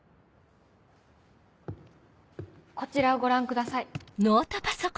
こちらをご覧ください。